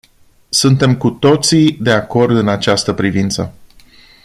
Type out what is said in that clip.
Suntem cu toții de acord în această privință.